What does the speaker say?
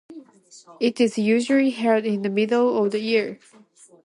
It is usually held in the middle of the year.